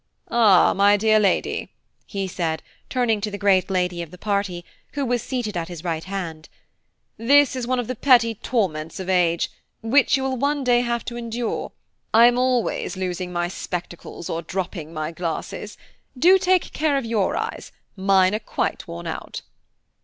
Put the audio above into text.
"Ah, my dear lady," he said, turning to the great lady of the party, who was seated at his right hand. "This is one of the petty torments of age, which you will one day have to endure; I am always losing my spectacles or dropping my glasses. Do take care of your eyes; mine are quite worn out."